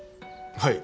はい。